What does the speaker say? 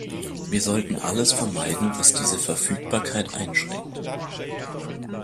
Wir sollten alles vermeiden, was diese Verfügbarkeit einschränkt.